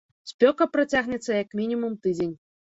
Спёка працягнецца як мінімум тыдзень.